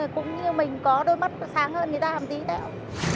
cũng như mình có đôi mắt sáng hơn người ta làm tí đẹp